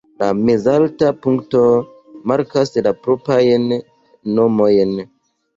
Mezalta punkto markas la proprajn nomojn.